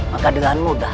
maka dengan mudah